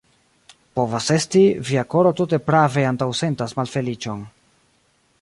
Povas esti, via koro tute prave antaŭsentas malfeliĉon.